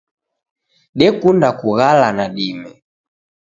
Dekunda kughala nadime.